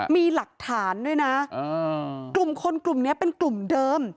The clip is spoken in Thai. มีหลักฐานด้วยนะกลุ่มคนกลุ่มนี้เป็นกลุ่มเดิม